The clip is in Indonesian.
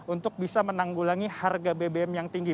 untuk bisa menanggulangi harga bbm yang tinggi